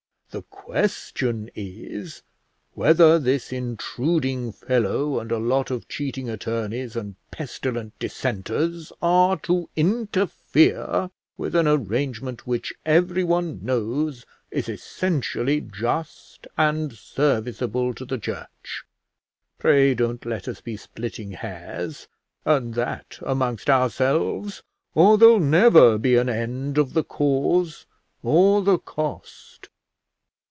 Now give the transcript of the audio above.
The question is, whether this intruding fellow, and a lot of cheating attorneys and pestilent dissenters, are to interfere with an arrangement which everyone knows is essentially just and serviceable to the church. Pray don't let us be splitting hairs, and that amongst ourselves, or there'll never be an end of the cause or the cost."